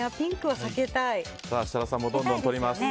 設楽さんもどんどん取ります。